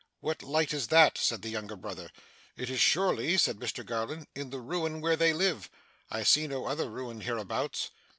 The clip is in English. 'What light is that!' said the younger brother. 'It is surely,' said Mr Garland, 'in the ruin where they live. I see no other ruin hereabouts.